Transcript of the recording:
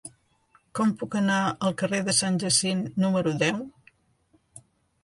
Com puc anar al carrer de Sant Jacint número deu?